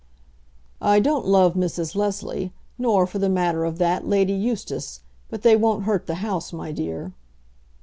"I don't love Mrs. Leslie, nor, for the matter of that, Lady Eustace. But they won't hurt the house, my dear."